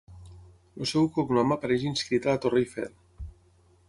El seu cognom apareix inscrit a la Torre Eiffel.